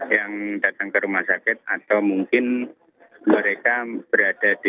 yang datang ke rumah sakit atau mungkin mereka berada di